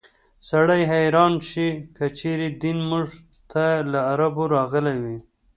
سړی حیران شي که چېرې دین موږ ته له عربو راغلی وي.